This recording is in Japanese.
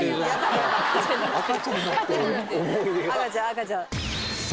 赤ちゃん赤ちゃん。